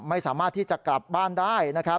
ไม่สามารถที่จะกลับบ้านได้นะครับ